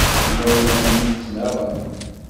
Imawlan-inu ttnaɣen.